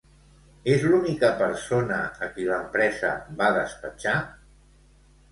És l'única persona a qui l'empresa va despatxar?